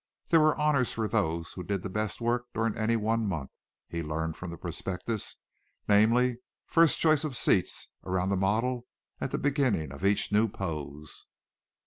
There were honors for those who did the best work during any one month, he learned from the prospectus, namely: first choice of seats around the model at the beginning of each new pose.